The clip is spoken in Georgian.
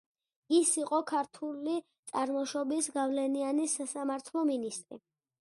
ის იყო ქართული წარმოშობის გავლენიანი სასამართლო მინისტრი.